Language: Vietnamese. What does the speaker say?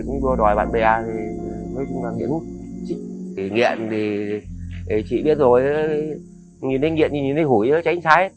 nghiện thì chị biết rồi nhìn anh nghiện như nhìn anh hủy tránh trái hết